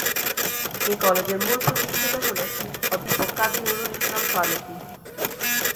এই কলেজের মূল প্রতিষ্ঠাতা হলেন অধ্যাপক কাজী নুরুল ইসলাম ফারুকী।